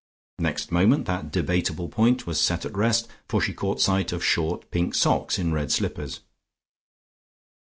Next moment that debatable point was set at rest for she caught sight of short pink socks in red slippers.